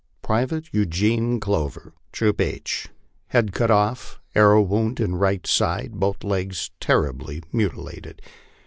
" Private Eugene Clover, Troop H, head cut off, arrow wound in right side, both legs terribly mutilated.